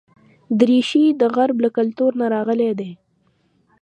دریشي د غرب له کلتور نه راغلې ده.